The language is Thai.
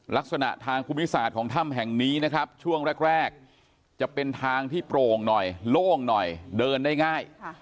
ลักษณะทางภูมิศาสตร์ของถ้ำแห่งนี้นะครับช่วงแรกจะเป็นทางที่โปร่งหน่อยโล่งหน่อยเดินได้ง่าย